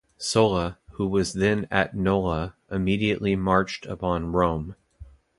Sulla, who was then at Nola, immediately marched upon Rome.